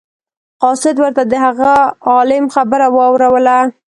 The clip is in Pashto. قاصد ورته د هغه عالم خبره واوروله.